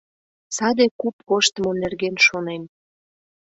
— Саде куп коштымо нерген шонем.